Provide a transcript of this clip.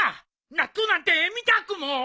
納豆なんて見たくも。